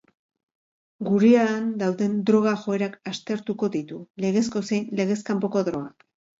Gurean dauden droga-joerak aztertuko ditu, legezko zein legez kanpoko drogak.